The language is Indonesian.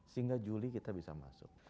sehingga juli kita bisa masuk